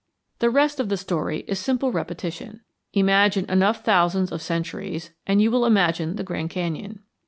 The rest of the story is simple repetition. Imagine enough thousands of centuries and you will imagine the Grand Canyon.